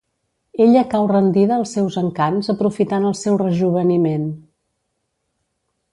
Ella cau rendida als seus encants aprofitant el seu rejoveniment.